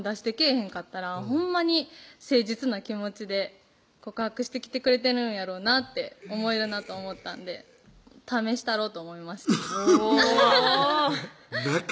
へんかったらほんまに誠実な気持ちで告白してきてくれてるんやろなって思えるなと思ったんで試したろと思いましたうわ！